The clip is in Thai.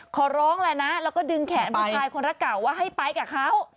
ขอร้องเลยนะแล้วก็ดึงแขนผู้ชายคนรักเก่าว่าให้ไปกับเขา